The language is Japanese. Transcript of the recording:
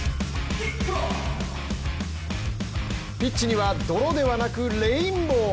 ピッチには泥ではなくレインボー。